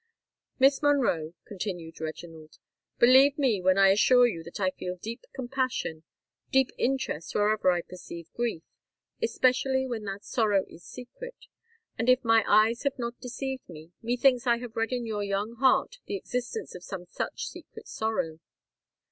"Miss Monroe," continued Reginald, "believe me when I assure you that I feel deep compassion—deep interest, wherever I perceive grief—especially when that sorrow is secret. And, if my eyes have not deceived me, methinks I have read in your young heart the existence of some such secret sorrow.